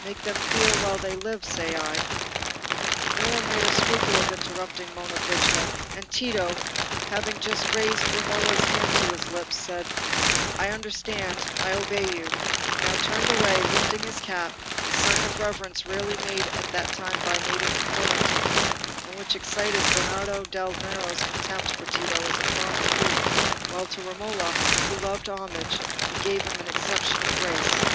—make them feel while they live, say I—" No one made a scruple of interrupting Monna Brigida, and Tito, having just raised Romola's hand to his lips, and said, "I understand, I obey you," now turned away, lifting his cap—a sign of reverence rarely made at that time by native Florentines, and which excited Bernardo del Nero's contempt for Tito as a fawning Greek, while to Romola, who loved homage, it gave him an exceptional grace.